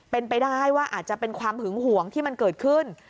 เป็นไปได้ว่าอาจจะเป็นความหึงหวงที่มันเกิดขึ้น